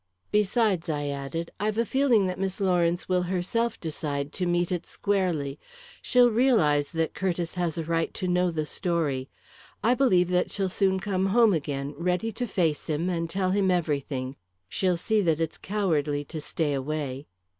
"Besides," I added, "I've a feeling that Miss Lawrence will herself decide to meet it squarely. She'll realise that Curtiss has a right to know the story. I believe that she'll soon come home again, ready to face him and tell him everything. She'll see that it's cowardly to stay away.